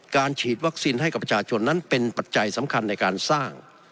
ฉีดวัคซีนให้กับประชาชนนั้นเป็นปัจจัยสำคัญในการสร้าง